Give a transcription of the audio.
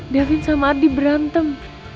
daven sama ardi berantem